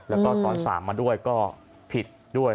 แล้วก็ซ้อน๓มาด้วยก็ผิดด้วย